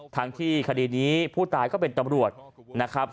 ทั้งที่คดีนี้ผู้ตายก็เป็นตำรวจนะครับ